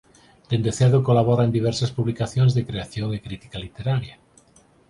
Dende cedo colabora en diversas publicacións de creación e crítica literaria.